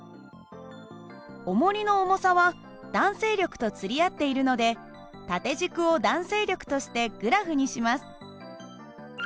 おもりの重さは弾性力と釣り合っているので縦軸を弾性力としてグラフにします。